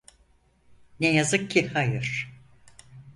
Ne yazık ki hayır.